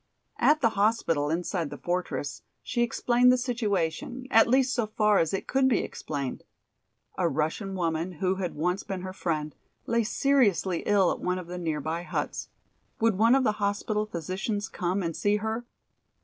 At the hospital inside the fortress she explained the situation, at least so far as it could be explained. A Russian woman, who had once been her friend, lay seriously ill at one of the nearby huts. Would one of the hospital physicians come and see her?